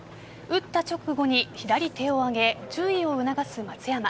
打った直後に左手を上げ注意を促す松山。